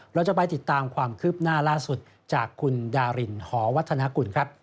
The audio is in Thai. เราจะไปติดตามความคืบหน้าล่าสุดจากคุณดารินหอวัฒนากุลครับ